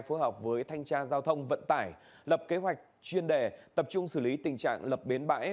phối hợp với thanh tra giao thông vận tải lập kế hoạch chuyên đề tập trung xử lý tình trạng lập bến bãi